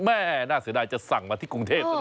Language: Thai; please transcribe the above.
แม่น่าเศร้าใดจะสั่งมาที่กรุงเทป